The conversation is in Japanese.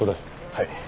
はい。